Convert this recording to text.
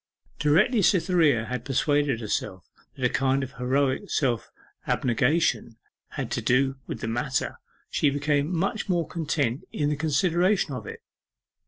Directly Cytherea had persuaded herself that a kind of heroic self abnegation had to do with the matter, she became much more content in the consideration of it.